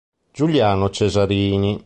Giuliano Cesarini